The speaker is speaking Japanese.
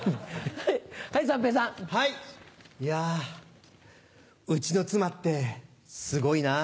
いやうちの妻ってすごいなぁ。